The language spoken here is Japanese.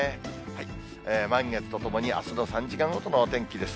満月とともにあすの３時間ごとのお天気です。